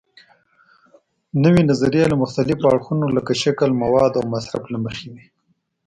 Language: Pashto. نوې نظریې له مختلفو اړخونو لکه شکل، موادو او مصرف له مخې وي.